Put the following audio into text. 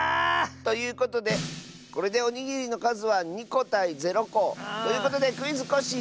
ということでこれでおにぎりのかずは２こたい０こ。ということで「クイズ！コッシー」